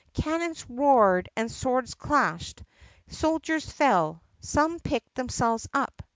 Cannons roared and swords clashed. Soldiers fell. Some picked themselves up.